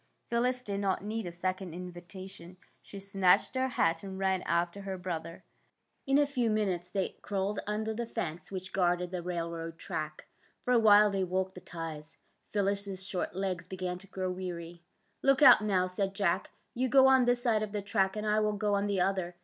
'' Phyllis did not need a second invitation. She snatched her hat and ran after her brother. In a few minutes they crawled under the fence which guarded the railroad track. For a while they walked the ties. Phyllis 's short legs began to grow weary. '' Look out, now," said Jack. '' You go on this side of the track, and I will go on the other.